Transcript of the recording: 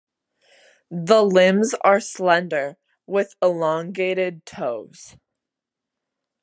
The limbs are slender, with elongated toes.